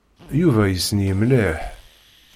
Yuba yessen-iyi mliḥ.